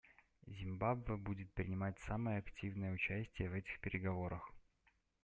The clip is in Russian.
Зимбабве будет принимать самое активное участие в этих переговорах.